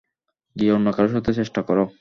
গিয়ে অন্য কারো সাথে চেষ্টা কর।